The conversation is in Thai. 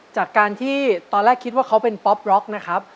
จากการที่ตอนแรกคิดว่าเขาเป็นป๊อปร็อกนะครับ